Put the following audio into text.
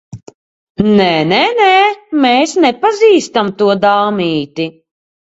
Nē, nē, nē. Mēs nepazīstam to dāmīti.